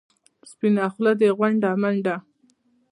سپینه خوله دې غونډه منډه.